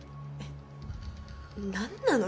何なの？